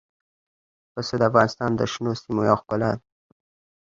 پسه د افغانستان د شنو سیمو یوه ښکلا ده.